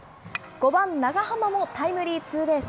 ５番長濱もタイムリーツーベース。